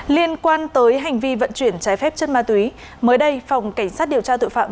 liên quan tới hành vi vận chuyển trái phép chất ma túy mới đây phòng cảnh sát điều tra tội phạm